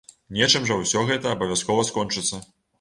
Нечым жа ўсё гэта абавязкова скончыцца.